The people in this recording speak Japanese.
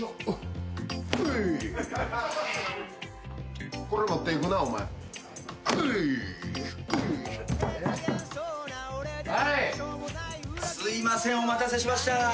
お待たせしました。